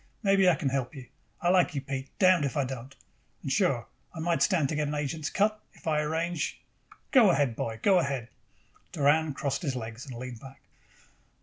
Maybe I can help you. I like you, Pete, damn if I don't. And, sure, I might stand to get an agent's cut, if I arrange Go ahead, boy, go ahead." Doran crossed his legs and leaned back.